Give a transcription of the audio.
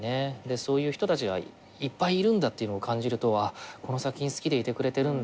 そういう人たちがいっぱいいるんだっていうのを感じるとあっこの作品好きでいてくれてるんだ。